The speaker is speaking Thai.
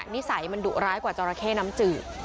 นิสัยมันดุร้ายกว่าจราเข้น้ำจืด